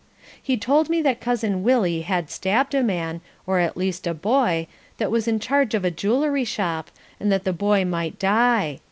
He told me that Cousin Willie had stabbed a man, or at least a boy, that was in charge of a jewelry shop, and that the boy might die.